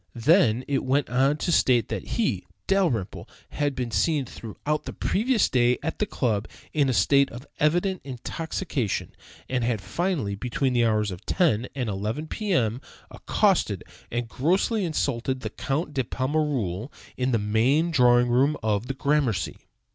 Then it went on to state that he (Dalrymple) had been seen throughout the previous day at the club in a state of evident intoxication, and had, finally, between the hours of 10 and 11 P. M., accosted and grossly insulted the Count de Pommereul in the main drawing room of the Gramercy.